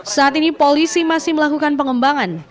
saat ini polisi masih melakukan pengembangan